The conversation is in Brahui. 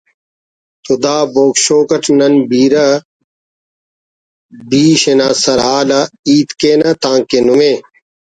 تو دا ”بوگ شو“ اٹ نن بیرہ بیش انا سرحال آ ہیت کینہ تانکہ نمے